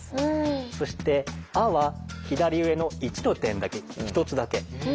そして「あ」は左上の１の点だけ１つだけ。